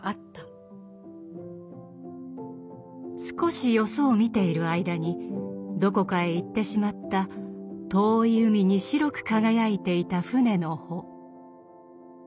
少しよそを見ている間にどこかへ行ってしまった遠い海に白く輝いていた舟の帆。